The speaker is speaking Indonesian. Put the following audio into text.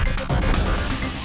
dia udah kena ksapbest